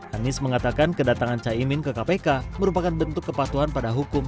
anies mengatakan kedatangan caimin ke kpk merupakan bentuk kepatuhan pada hukum